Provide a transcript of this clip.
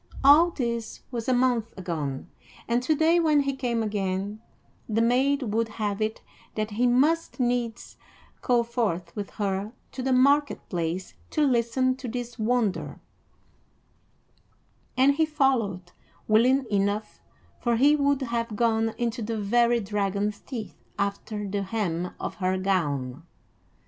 All this was a month agone, and to day, when he came again, the maid would have it that he must needs go forth with her to the market place to listen to this wonder; and he followed, willing enough, for he would have gone into the very dragon's teeth after the hem of her gown.